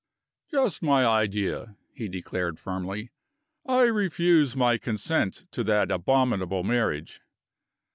"Just my idea!" he declared firmly. "I refuse my consent to that abominable marriage."